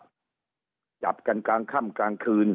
จับกันกลางค่ำกลางคืน